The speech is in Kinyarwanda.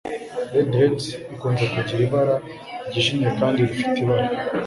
Redheads ikunze kugira ibara ryijimye kandi rifite ibara